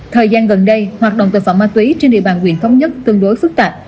thời gian gần đây hoạt động tội phạm ma túy trên địa bàn huyện thống nhất tương đối phức tạp